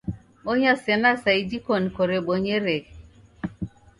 Bonya sena sa iji koni korebonyereghe